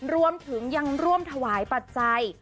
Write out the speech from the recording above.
รวมถึงยังร่วมถวายปัจจัย